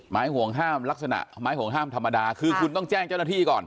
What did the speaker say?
ห่วงห้ามลักษณะไม้ห่วงห้ามธรรมดาคือคุณต้องแจ้งเจ้าหน้าที่ก่อน